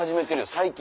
最近。